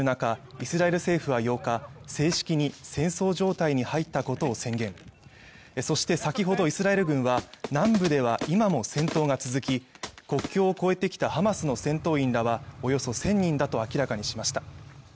イスラエル政府は８日正式に戦争状態に入ったことを宣言そして先ほどイスラエル軍は南部では今も戦闘が続き国境を越えてきたハマスの戦闘員らはおよそ１０００人だと明らかにしました